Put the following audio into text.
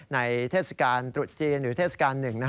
ในเทศกาลตรุษจีนหรือเทศกาลหนึ่ง